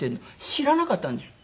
知らなかったんですよ。